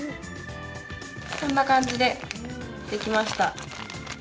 こんな感じでできました。